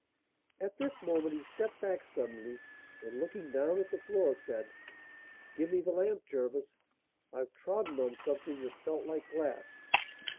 At this moment he stepped back suddenly, and, looking down at the floor, said: "Give me the lamp, Jervis, I've trodden on something that felt like glass."